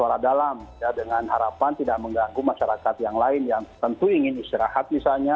jarak dalam ya dengan harapan tidak mengganggu masyarakat yang lain yang tentu ingin istirahat misalnya